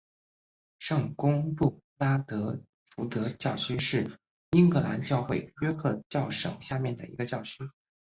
圣公会布拉德福德教区是英格兰教会约克教省下面的一个教区。